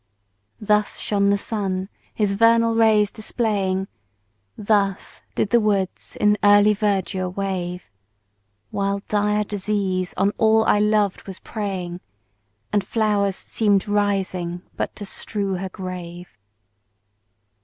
Thus shone the sun, his vernal rays displaying, Thus did the woods in early verdure wave, While dire disease on all I loved was preying, And flowers seem'd rising but to strew her grave.